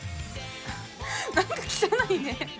何か汚いね。